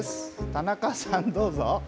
田中さん、どうぞ。